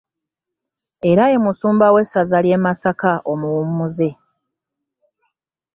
Era ye musumba w'essaza lye Masaka omuwummuze